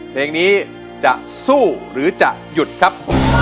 เพลงนี้จะสู้หรือจะหยุดครับ